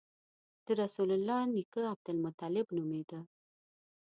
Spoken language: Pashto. د رسول الله نیکه عبدالمطلب نومېده.